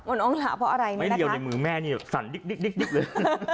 น้องหลาเพราะอะไรนะไม่เดียวในมือแม่นี่สั่นดิ๊กเลย